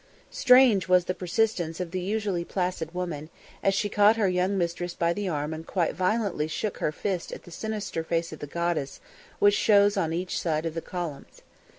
Strange was the persistence of the usually placid woman, as she caught her young mistress by the arm and quite violently shook her fist at the sinister face of the goddess which shows on each side of the columns.